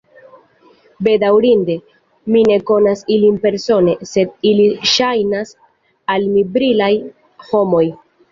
Bedaŭrinde, mi ne konas ilin persone, sed ili ŝajnas al mi brilaj homoj.